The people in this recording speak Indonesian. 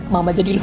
mama jadi dulu